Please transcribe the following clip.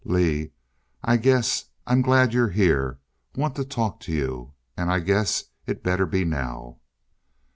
"Lee I guess I am glad you're here want to talk to you and I guess it better be now."